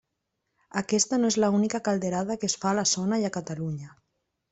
Aquesta no és l'única calderada que es fa a la zona i a Catalunya.